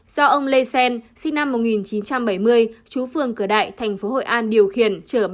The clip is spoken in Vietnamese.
do ông lê xen sinh năm một nghìn chín trăm bảy mươi chú phường cửa đại tp hội an điều khiển